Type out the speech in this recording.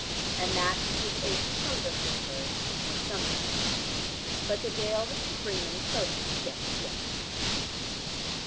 And that to his aching hunger for her was something.... But the gale was to bring them closer together yet.